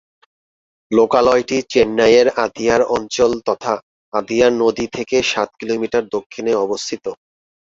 লোকালয়টি চেন্নাইয়ের আদিয়ার অঞ্চল তথা আদিয়ার নদী থেকে সাত কিলোমিটার দক্ষিণে অবস্থিত।